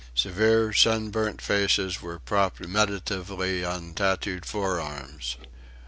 Severe, sunburnt faces were propped meditatively on tattooed forearms.